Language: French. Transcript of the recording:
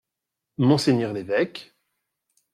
Monseigneur l’évêque.